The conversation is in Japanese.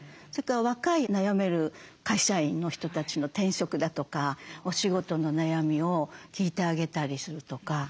それから若い悩める会社員の人たちの転職だとかお仕事の悩みを聞いてあげたりするとか。